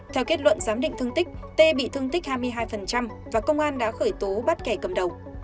theo kết luận giám định thương tích tê bị thương tích hai mươi hai và công an đã khởi tố bắt kẻ cầm đầu